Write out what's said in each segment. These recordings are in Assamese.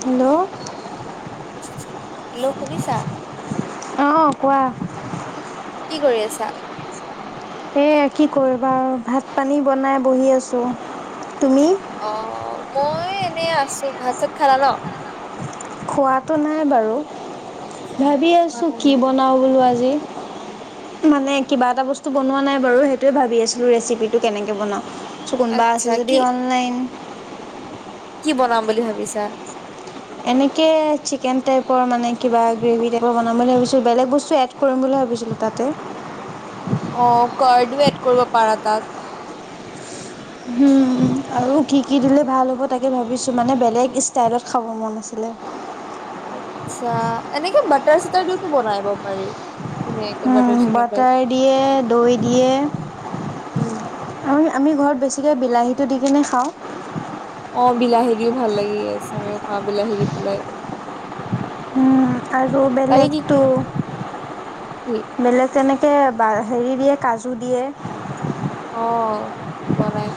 হেল্ল' হেল্ল' শুনিছা। আহ কোৱা। কি কৰি আছা এ কি কৰিবা ভাত পানী বনাই বহি আছো। তুমি অ মই এনে আছো ভাত চাত খালা ন। খোৱাাতটো নাই বাৰু ভাবি খোৱা আছোঁ নাই কি নেকি বনাওঁ বোলো আজি উ মানে কিবা এটা বস্তু বনোৱা নাই বাৰু সেইটোৱে ভাবি আছিলো ৰেচিপিটো কেনেকে বনাও চ কোনোবা আছে আচ্ছা যদি কি অনলাইন কি বনাম বুলি ভাবিছা। এনেকে চিকেন টাইপৰ মানে কিবা গ্ৰেভি টাইপ বনাম বুলি ভাবছো বেলেগ বস্তু এ কৰিম বুলি ভ। তাতে অ কাৰডো এড কৰিব পাৰা তাক উম আৰু কি কি দিলে ভাল হ'ব তাকে ভাবিছোঁ মানে বেলেগ ষ্টাইলত খাব মন আছিলে। আচ্ছা এনেকে বাটাৰ চাটাৰ দিওতো বনাব পাৰি। ধুনীয়াকে butter um chicken type butter দিয়ে দৈ দিয়ে উম আমি ঘৰত বেছিকে বিলাহীটো দি কিনে খাওঁ। অ বিলাহী দিও ভাল লাগে আমিও [unintelligible] খাওঁ বিলাহী দি পেলাই। উম আৰু বাকী কি বেলেগতো কি বেলেগ তেনেকে ত [unintelligible] হেৰি দিয়ে কাজু দিয়ে অ বনাই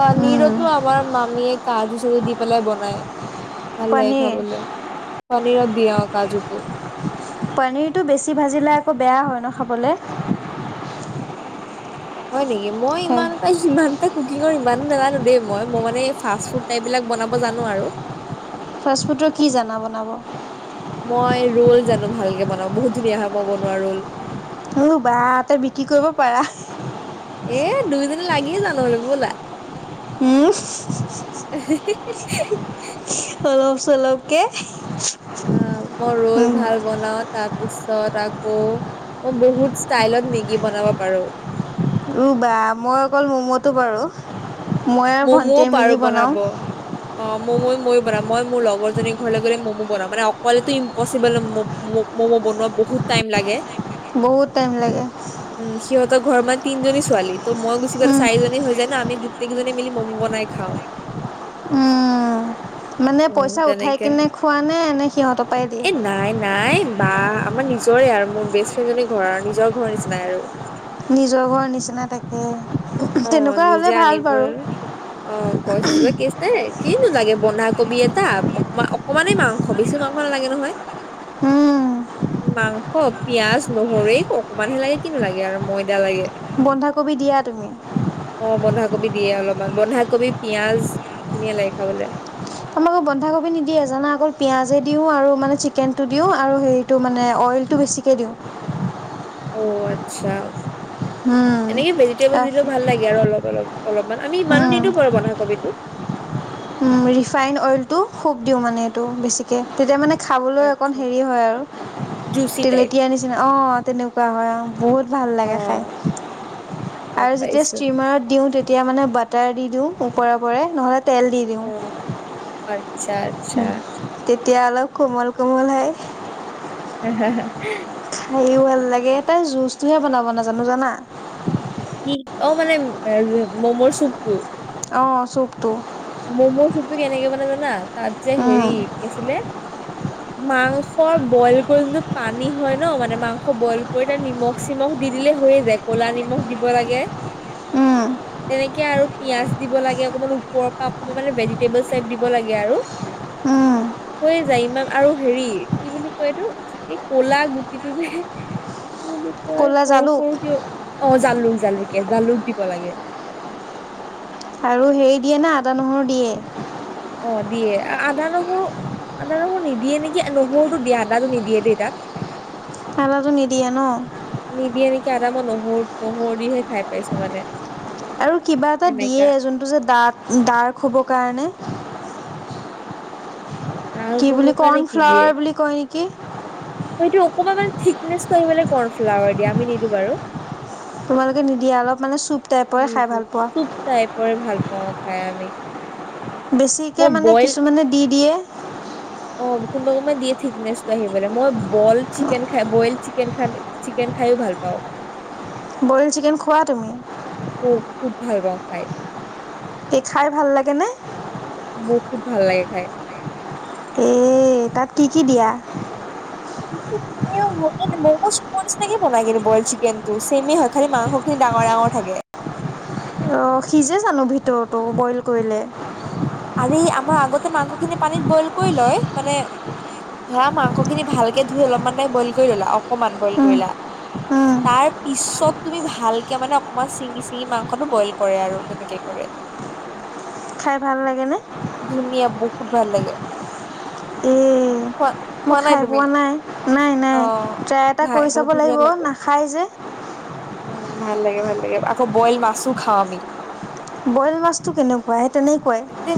পানীৰতো আমাৰ মামীয়ে কাজু চাজু দি পেলাই বনাই ভাল লাগে পনীৰ খাবলৈ। পনীৰত দিয়া কাজুতো পনীৰটো বেছি ভাজিলে আকৌ বেয়া হয় ন খাবলে হয় নেকি মই সেই ইমানটা সিমানটা ক কুকিঙৰ ইমানো নাজানো দেই মই, মই মানে ফাষ্ট ফুড টাইপ বিলাক বনাব জানো আৰু ফাষ্টফুডৰ কি জানা বনাব। মই ৰোল জানো ভালকে বনওঁ বহুত ধুনীয়া হয় মই বনোৱা ৰোল বা তই বিক্ৰী কৰিব পাৰা। এ দুইজনী লাগিয়ে জান ন'লে [unintelligible] ব'লা উম অল [unintelligible] চলকে [unintelligible] অ মই ৰল ভাল বনাও তাত তাৰ পিছত আকৌ মই বহুত ষ্টাইলত মেগী বনাব পাৰো। ৰবা মই অকল মম'তটো পাৰোঁ মই আৰু ম'ম'ও ভণ্টিযে মেলি বনাওঁ। ম ব [unintelligible] মই মোৰ লগৰ জনিৰ ঘৰলে গলে মম বনাও। মানে অকলেটো ইম্পশ্চিবল বনুৱা, বহুত টাইম লাগে। বহুত টাইম লাগে। তই ঘৰত মনে তিজনী ছোৱালী ত মই গুচি গলে চাৰিজনী হৈ যায় ন আমি গোটেইজনী মিলি [unintelligible] মম বনাই খাওঁ। উম' মানে উম পইচা উঠাই তেনেকে কিনে খোৱা নে নে সিহঁতৰ পৰাাই দিযে। এ নাই নাই বা আমাৰ নিজৰে আৰু মোৰ বেষ্ট ফ্ৰেণ্ডজনী ঘৰৰ আৰু নিজৰ ঘৰ নিচিনাই আৰু। নিজৰ ঘৰ নিচিনা তাকে অ তেনেকুৱা হ'লে 'নিজে ভাল আনিব, বাৰু। অ পইচা [unintelligible] কিনো লাগে, বন্ধাকবি এটা অকণমান, অকমানে মাংস বেছি মাংস নালাগে নহয়। উম। মাংস, পিয়াজ নহৰু অকমান হে লাগে। কিনো লাগে আৰু ময়দা লাগে। বন্ধাকবি দিয়াত অ' বন্ধাকবিত দিয়ে অলপমান বন্ধাকবি পিয়াজ ধুনীয়া লাগে খাবলে আমাৰ আকৌ বন্ধাকবি নিদিয়ে জানা অকল পিঁয়াজে দিওঁ, আৰু মানে চিকেনটো দিওঁ আৰু হেৰিটো মানে অইল টো বেছিকৈ দিওঁ। অ' আচ্ছা, উম, এনেকে ভেজিটেবল দিলে ভাল লাগে আৰু অলপ অলপ। অলপমান আমি ইমানো উম। নিদিও বাৰ বন্ধাকবিতো। ৰিফাইন অইলটো খোপ দিওঁ মানে এইটো বেছিকে তেতিয়া মানে খাবলৈও অকণ আচ্ছা হেৰি হয় আৰু। জুচি টাইপ তেলেতীয়া নিচিনা, আহ' তেনেকুৱা হয় আহ' বহুত ভাল অ লাগে খাই। গম আৰু যেতিয়া পাইছো ষ্টিমাৰত দিও তেতিয়া মানে বাটাৰ দি দিওঁ ওপৰেওৰে নহলে তেল দি দিওঁ। অ' আচ্ছা, আচ্ছা। তেতিয়া অলপ কোমল কোমল হয়। হে, হে, খাইও ভাল লাগে তাই জুচটোহে বনাব নাজানো জানা কি অ' মানে ম'মৰ চুপটো? অঁ চো [unintelligible] মম' চুপটো কেনেকে বনাই জানা তাত যে উম হেৰি আছিলে [unintelligible] মাংস বইল কৰি যোনটো পানী হয় ন, মানে মাংস বইল কৰি তাত নিমখ চিমখ দি দিলে। হৈয়ে যায়। ক'লা নিমখ দিব লাগে। উম [unintelligible] তেনেকে আৰু পিয়াজ দিব লাগে অকমান ওপৰৰ বা অকমান মানে ভেজিটেবল চাইপ দিব লাগে আৰু। উম। হৈয়ে যায় ইমান আৰু হেৰি কি বুলি কয় এইটো এই কলা গুটিটো যে [unintelligible] ক'লা সৰু জালুক সৰু ক অ জালুক জালুকে জালুক দিব লাগে। আৰু হেৰি দিয়ে না, আদা নহৰু দিয়ে। অ', দিয়ে আদা নহৰু। আদা নহৰু নিদিয়ে নেকি, নহৰুটো দিয়া আদাটো নিদিয়ে দেই তাত। আদাটো নিদিয়ে ন? এটা মই নহৰু, নহৰু দিইহে খাই পাইছোঁ মানে। আৰু কিবা এটা সেনেকা দিয়ে যোনটো যে ড ডাৰ্ক হ'বৰ কাৰণে। কি ডাৰ্ক বুলি হবৰ কাৰণে কি কৰ্ণফ্লাৱাৰ দিয়ে! বুলি কয় নেকি সেইটো অকমান মানে থিকনেচটো আহিবে কৰ্ণ ফ্লাৱাৰ দিয়া আমি নিদো বাৰু। উ, তোমালোকে নিদিয়া অলপ মানে চুপ টাইপৰে খাই ভাল পোৱা চুপ টাইপৰ ভালপা ম খাই আমি। বেছিকে মই মানে বইল কিছুমানে দি দিয়ে অ', কোনোবে দিয়ে থিকনেচটো আহিবলে। মই বল চিকেন খাই বইল চিকেন চিকেন ভাল পাওঁ। বইল চিকেন খোৱা তুমি? খুব ভাল পাও খাই। এই খাই ভাল লাগেনে? মোৰ খুব ভাল লাগে খাই। এ, তাত কি কি দিয়া? ম'ম চুপৰ নিছিনাকেই বনাই কিন্তু বইল চিকেনটো, চেম হয়, খালি মাংসখিনি ডাঙৰ ডাঙৰ থাকে। অহ, সিজে জানো ভিতৰতো বইল কৰিলে? আৰে এই আমাৰ আগতে মাংসখিনি পানীত বইল কৰি লয় মানে ধৰা মাংসখিনি ভালকে ধুই অলপমান তাই বইল কৰি ললা অকমান বইল কৰিলা তাৰ পিছত তুমি ভালকে মানে অকমান চিঙি চিঙি মাংসটো বইল কৰে আৰু তেনেকে কৰে। খাই ভাল লাগে নে? খুব ভাল লাগে। এ খোৱা মই খোৱা নাই খাই তুমি? পোৱা নাই। নাই, অ নাই, ট্ৰাই এটা ভাই কৰি বহুত চাব ধুনীয়া লাগিব। লাগে নাখায় যে। উম, ভাল লাগে ভাল লাগে আকৌ বইল মাছো খাওঁ আমি। বইল মাছটো কেনেকুৱা সেই তেনেক তে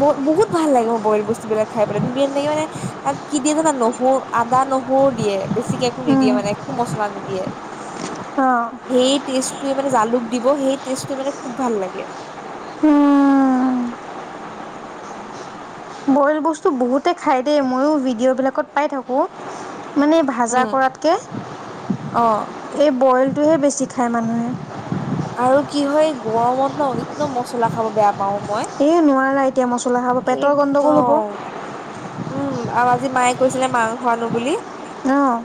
ব বহুত ভাল লাগে মোৰ বইল বস্তু বিলাক খাই পেলাই ধুনীয়া লাগে মানে তাত কি দিয়ে জানা নহৰু আদা নহৰু দিয়ে বেছিকে একো নিদিয়ে মানে একো মছলা নিদিয়ে। [unintelligible] সেই টেষ্টটোৱ মানে জালুক দিব সেই টেষ্টে মানে খুব ভাল লাগে। উম কইল বস্তু বহুতে খায় দেই ময়ো ভিডিঅ'বিলাকত পাই থাকোঁ মানে ভাজা উম কৰাতকে অ এই বইল টোহে বেছি খায় মানুহে আৰু কি হয় গৰমত ন একদম মছলা খাব বেয়া প এ নোৱাৰা না এতিয়া মচলা খাব পেটৰ গণ্ডগোল হ'ব একদম উম আৰু আজি মায়ে কৈছিলে মাংসোৱানো বুলি আহ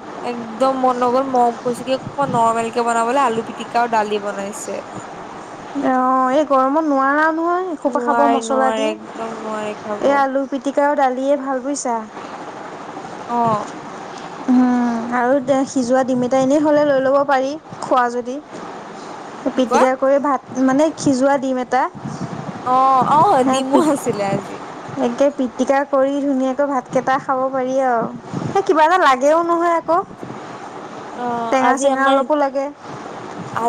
একদম মন ন গ'ল ম কৈছ কিমান নৰ্মেল কে বনাবলে আলু পিটিকা আৰু দালি বনাইছে অ এই গৰমত নোৱাৰা নহয় এসোপা খাব নোৱাৰে মছলা নোৱাৰে দি একদম নোৱাৰে খাব এই আলু পিটিক তেওঁ দালিয়ে ভাল পৈছা অঁ আৰু সিজোৱা ডিম এটা এনেই হ'লে লৈ ল'ব পাৰি খোৱা যদি কি কোৱা পিটিকা কৰি ভাত মানে খিজোৱা দিম এটা অ আহ ডিমো আছিলে আজি একে পিটিকা কৰি ধুনীয়াকৈ ভাত কেইটা খাব পাৰি আৰু কিবা এটা লাগে ও নহয় আকৌ অ টেঙা চেঙা অলপো লাগে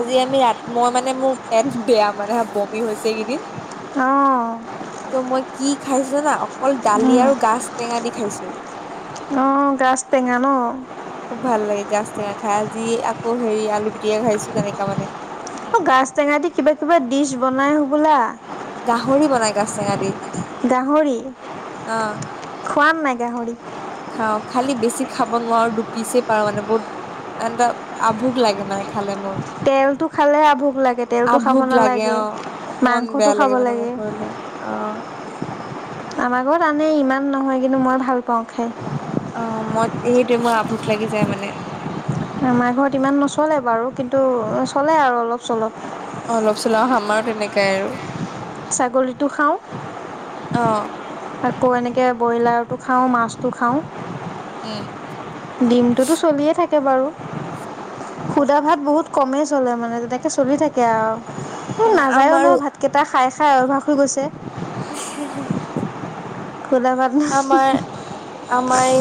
আজ আমি ৰা মই মানে মোৰ পেট বেয়া মানে বমি হৈছে কেইদিন আহ ত' মই কি খাইছো না অকল দালি আৰু গাাজ টেঙা দি খাইছো অ গছ টেঙা ন গাছ টেঙা খাই আজি আকৌ হেৰি আলু পিটিয়ে খাইছো তেনেককা মানে অ গছ টেঙা দি কিবা কিবা ডিচ বনাই হবোলা গাহৰি বনাই কা েঙা দি গাহৰি অ খোৱাম নাই গাহৰি খাওঁ খালি বেছি খাব নোৱাৰো দুপিছেই পাৰো মানে বহুতটা আভুোক লাগে মানে খালে মোৰ তেলটো খালেহে ভোক লাগে তেলটো খাব আভোক লাগে নালাগে অ অকমান মাংসটো বেয়া খাব লাগে মানে মোক হো অ আমাৰাকত আনে ইমান নহয় কিন্তু মই ভাল পাওঁ খাই অ মই সেইটয়ে মোৰ আভুোক লাগি যায় মানে আমাৰ ঘৰত ইমান নচলে বাৰু কিন্তু চলে আৰু অলপ চলপ অ অলপ চলাও আমাৰো তেনেকাই আৰু ছাগলীটো খাওঁ অ আকৌ এনেকৈ ব্ৰইলাৰটো খাওঁ মাছটো খাওঁ উম ডিমটোতো চলিয়ে থাকে বাৰু অ সুদা ভাত বহুত কমেই চলে মানে তেনেকে চলি থাকে আৰু নাযায়ও ন আমাৰো ভাতকেইটা খাই হা অ ভাগ হৈ গৈছে উ খুদা পল আমাৰ এই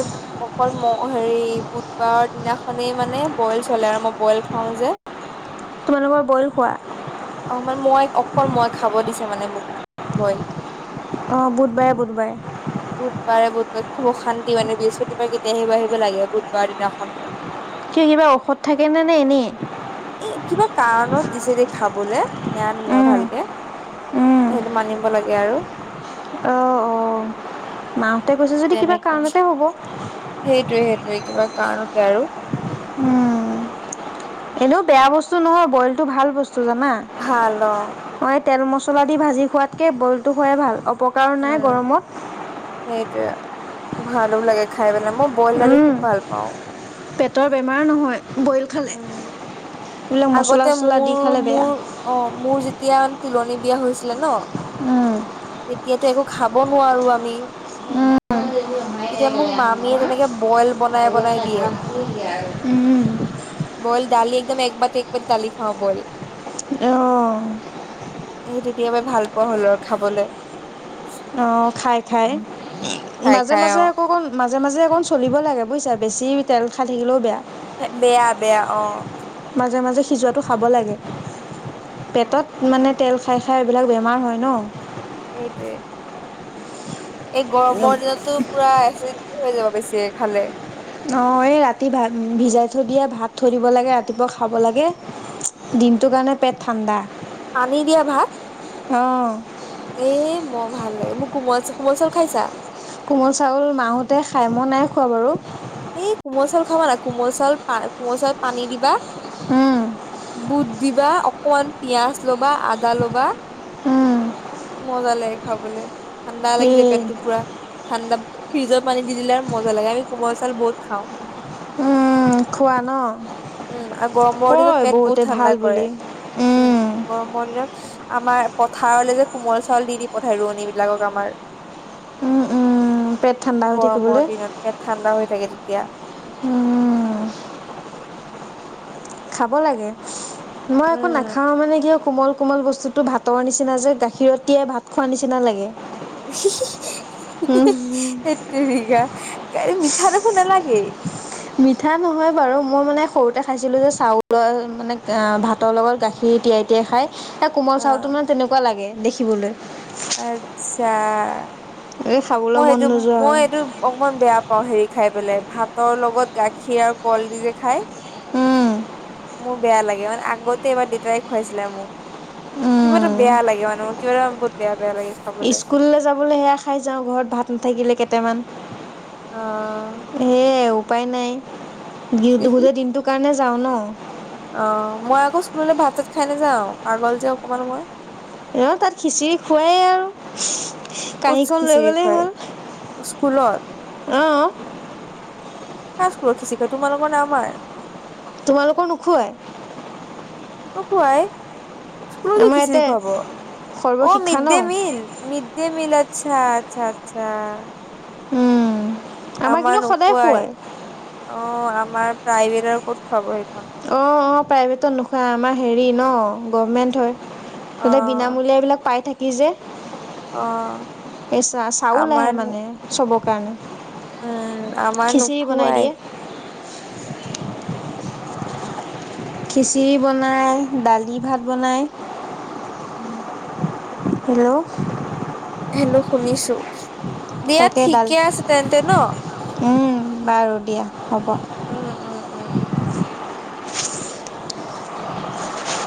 অকল ম হেৰি বুধবাৰৰ দিনাখনে মানে বইল চলে আৰু মই বইল খাওঁ যে তোমালোকৰ বইল খোৱা। অ মানে মই অকল মই খাব দিছে মানে মোক বইল অ বুধবাৰে, বুধবাৰে বুধবাৰে, বুধবাৰে খুব অশান্তি মানে বৃহস্পতিবাৰে কেতিয়া আহিব আহিব লাগে বুধবাৰ দিনাখন কিয় কিবা ঔষধ থাকেনেে নে এনেই এ কিবা কাৰণত দিছে দেেই খাবলৈ নন মই উম, ভালকে উম। সেইটো মানিব লাগে আৰু অঁ অঁ মাহঁতে কৈছে যদি কিবা তেনেকাে কাৰণতে হ'ব সেইটয়ে সেইটোয়ে কিবা কাৰণতে আৰু উম এনেও বেয়া বস্তু নহয় বইলটো ভাল বস্তু মা ভাল অ [unintelligible] তেল মচলাই দি ভাজি খুৱাতকে বইল খুৱাই ভাল। উপপকাৰ [unintelligible] নাই গৰমত সেইটোৱয়ে ভালো লাগে খাই পেলাই মই বইল দালি উম। খুব ভাল পাওঁ। পেটৰ বেমাৰ নহয়। বইল খালে উম এইবিলাক আগতে মচলা চছলা দি খালে বেয়া তেতিয়া মান তোুলনি বিয়া হৈছিলে ন তেতিয়াতো একো খাব নোৱাৰো আমি উম। তেতিয়া মোক মামীয়ে তেনেকে বইল বনাই বনাই দিয়ে। উম বইল দালি একদম একবাতি একবাতি দালি খাওঁ বইল অঁ এ তেতিয়া পৰাই ভাল পোৱা হ'ল আৰু খাবলৈ। খাই, খাই খাই মাজে, খাই মাজে অ আকৌ মাজে মাজে অকণ চলিব লাগে বুজিছা বেছি তেল খাই থাকিলেও বেয়া। বেয়া, বেয়া অ মাজে মাজে হি [unintelligible] যোৱাটো খাব লাগে। উম পেটত মানে তেল খাই খাই এইবিলাক বেমাৰ হয় ন সেইটোৱে এই গৰমৰ দিনতো পুৰা এচিডিটি হৈ যাব বেছি খালে। অঁ এই ৰাতি ভাত ভিজাই থৈ দিয়ে ভাত থৈ দিব লাগে ৰাতিপুৱা খাব লাগে। উম দিনটোৰ কাৰণে পেট ঠাণ্ডা। পানী দিয়া ভাত আহ এ মই ভাল লাগে মোৰ কোমল কোমল চাউল খাইছা? কোমল চাউল মা হতে খাই মই নাই খোৱা বাৰু এই কোমল চাউল খাবা না কোমল চাউল কোমল চাউলত পানী দিবা উম বুট দিবা অকমান পিয়াজ লবা, আদা লবা উম মজা লাগে খাবলৈ, ঠাণ্ডা লাগি যায় এই পেটটো পুৰা ঠাণ্ডা ফ্ৰিজৰ পানী দি দিলে আৰু মজা লাগে আমি কোমল চাল বহুত খাওঁ। উম খোৱা ন উম আৰু গৰমৰ দিনত কয় পেট বহুত বহুতে ঠাণ্ডা ভাল কৰে। বুলি উম গৰম মজন [unintelligible] আমাৰ পথাৰলৈ যে কোমল চাউল দি দি পঠাই ৰোৱনীবিলাকক আমাৰ উম উম পেট ঠাণ্ডা হৈ থাকিবলৈ গৰমৰ দিনতে ঠাণ্ডা হৈ থাকে তেতিয়া উম, খাব লাগে মই একো উম। নাখাও মানে কিয় কোমল-কোমল বস্তুটো ভাতৰ নিচিনা যে গাখীৰ তিয়াই ভাত খোৱাৰ নিচিনা লাগে। [inaudible] তেৰিকা গাড় [unintelligible] মিঠা দেখোন ন লাগে মিঠা নহয় বাৰু, মই মানে সৰুতে খাইছিলো যে চাউলৰ মানে ভাতৰ লগত গাখীৰ তিয়াই-তিয়াই খাই। এ, কোমল চাউলটো অ', মানে তেনেকুৱা লাগে দেখিবলৈ। আচ্ছা এই খাবলৈ মই মন সেইটো নোযোৱা মই হয় এইটো অকমান বেয়া অ, হেৰি খাই পেলাই ভাতৰ লগত গাখীৰ আৰু কল দি যে খাই। উম মোৰ বেয়া লাগে। মানে আগতে এবাৰ দেতাই খুৱাইছিলে মোক কিবা এটা উম বেয়া লাগে মানে মোৰ কিবা এটা বহুত বেয়া বেয়া লাগে খাবলৈ স্কুললৈ যাবলৈ সেয়া খাই যাওঁ ঘৰত ভাত নাথাকিলে কেইটামান আহ, সেয়াই উপায় নাই, গোটেই দিনটোৰ কাৰণে যাও ন অ, মই আকৌ স্কুললৈ ভাত চাত খাই নাযাওঁ। পাগল যে অকমান মই তাত খিচিৰি খুৱাই আৰু ক'ত কহীখন লৈ খিচিৰি গলেই খুৱাই হ'ল স্কুলত আহ কা [unintelligible] খিচিকৈ তোমালোকৰ নে আমাৰ? তোমালোকৰ নোখোৱাই? নোখুৱাই। স্কুলত দি আমাৰ ইয়াতে খিচিৰি খুৱাব অ সৰ্বশিক্ষা মিড ন day meal mid mid day meal আচ্ছা-আচ্ছা-আচ্ছা উম, আমাৰ নোখোৱাই অ আমাৰ প্ৰাইভেট আৰু ক'ত খোৱাব অ-অ প্ৰাইভেটত নোখোৱাই আমাৰ হেৰি ন গভমেণ্ট হয়। অ ততে বিনামূলীয়া বিলাক পাই থাকি যে অ এ ছা চাউল আহে আমাৰ মানে চবক উম আমাৰ খিচিৰি বনাই দিয়ে নুখোৱাই। খিচিৰি বনায় দালি, ভাত বনায় [inaudible] হেল্ল', হেল্লো', শুনিছো দিয়া তাকে দাল ঠিকে আছে তেন্তে ন বাৰু দিয়া হ'ব উম-উম-উম